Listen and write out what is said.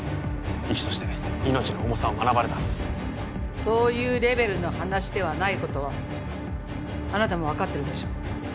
医師として命の重さを学ばれたはずですそういうレベルの話ではないことはあなたも分かってるでしょ